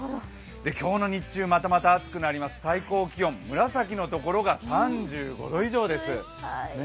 今日の日中、またまた暑くなります最高気温、紫の所が３５度以上です。